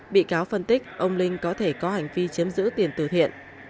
bị cáo phân tích ông linh có thể có hành vi chiếm giữ tiền tử thiện